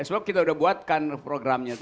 soalnya kita udah buat kan programnya itu